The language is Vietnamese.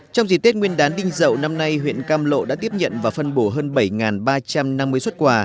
trong dịp tết nguyên đán đinh dậu năm nay huyện cam lộ đã tiếp nhận và phân bổ hơn bảy ba trăm năm mươi xuất quà